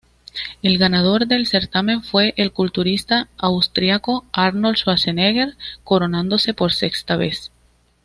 El ganador del certamen fue el culturista austriaco Arnold Schwarzenegger, coronándose por sexta vez.